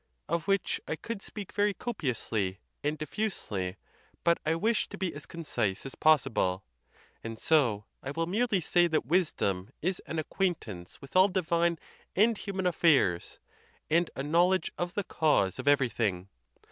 of which I could speak very copiously and diffusely, but I wish to be as concise as possible. And so I will merely say that wisdom is an acquaintance with all divine and human affairs, and a knowledge of the cause of everything.